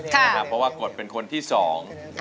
เพราะว่ากฎเป็นคนที่สอง